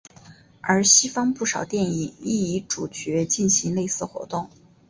而西方不少电影亦以主角进行类似活动。